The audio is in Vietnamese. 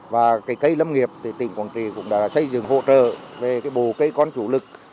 và cây lâm nghiệp tỉnh quảng trị cũng đã xây dựng hỗ trợ về bồ cây con chủ lực